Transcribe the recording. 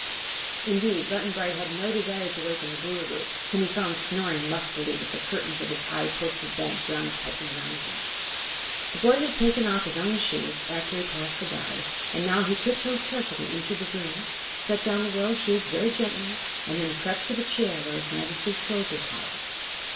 Indeed, Button Bright had no desire to waken the Boolooroo, whom he found snoring lustily with the curtains of his high posted bed drawn tightly around him. The boy had taken off his own shoes after he passed the guard and now he tiptoed carefully into the room, set down the royal shoes very gently and then crept to the chair where his Majesty's clothes were piled.